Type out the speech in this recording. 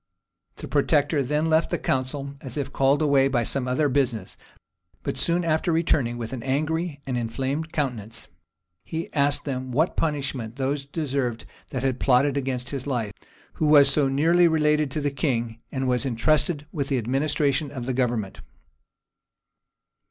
The protector then left the council, as if called away by some other business; but soon after returning with an angry and inflamed countenance, he asked them, what punishment those deserved that had plotted against his life, who was so nearly related to the king, and was intrusted with the administration of government.